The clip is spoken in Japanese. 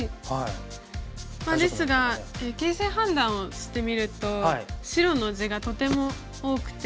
まあですが形勢判断をしてみると白の地がとても多くて。